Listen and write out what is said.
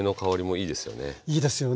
いいですよね。